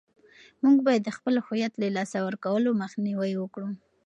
موږ باید د خپل هویت له لاسه ورکولو مخنیوی وکړو.